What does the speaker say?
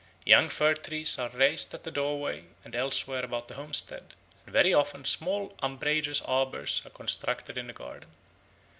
Young fir trees are raised at the doorway and elsewhere about the homestead; and very often small umbrageous arbours are constructed in the garden.